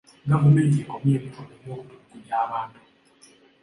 Gavumenti ekomye ebikolwa eby'okutulugunya abantu.